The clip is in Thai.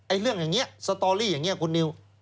เรื่องอย่างนี้สตอรี่อย่างนี้คุณนิว